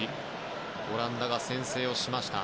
オランダが先制をしました。